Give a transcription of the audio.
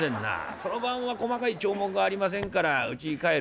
その晩は細かい鳥目がありませんからうちに帰る。